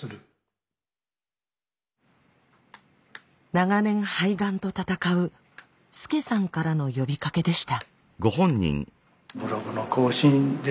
長年肺がんと闘うスケサンからの呼びかけでした。